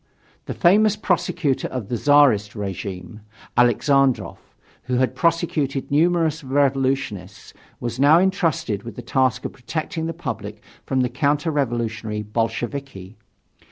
The famous prosecutor of the Czarist regime, Aleksandrov, who had prosecuted numerous revolutionists, was now entrusted with the task of protecting the public from the counter revolutionary Bolsheviki.